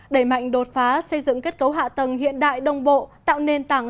đẩy mạnh đột phá xây dựng kết cấu hạ tầng hiện đại đồng bộ tạo nền tảng